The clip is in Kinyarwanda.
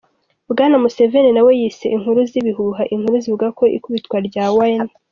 " Bwana Museveni na we yise "inkuru z'ibihuha" inkuru zivuga ku ikubitwa rya Wine.